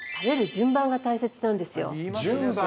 順番？